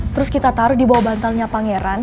terus kita taruh di bawah bantalnya pangeran